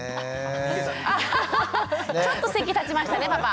アハハハッちょっと席立ちましたねパパ。